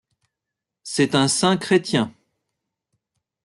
C'est un saint chrétien.